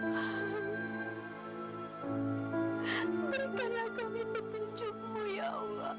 berikanlah kami petunjukmu ya allah